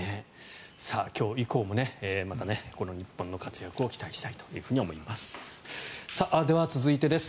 今日以降もまたこの日本の活躍を期待したいと思います。